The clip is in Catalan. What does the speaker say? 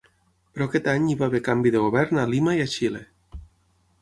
Però aquest any hi va haver canvi de govern a Lima i a Xile.